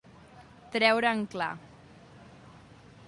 Treure en clar.